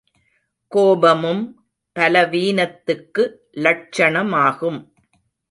கோபமும் பலவீனத்துக்கு லட்சணமாகும்.